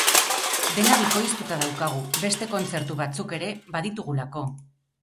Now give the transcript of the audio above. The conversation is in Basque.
Dena bikoiztuta daukagu, beste kontzertu batzuk ere baditugulako.